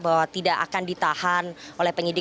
bahwa tidak akan ditahan oleh penyidik